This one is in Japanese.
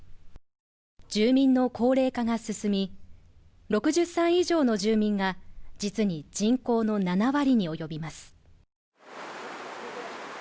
住民の高齢化が進み、６０歳以上の住民が実に人口の７割におよびます。